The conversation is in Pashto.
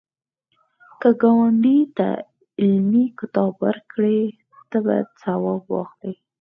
که ګاونډي ته علمي کتاب ورکړې، ته به ثواب واخلی